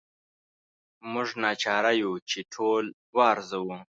موږ ناچاره یو چې ټول وارزوو.